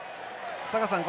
坂田さん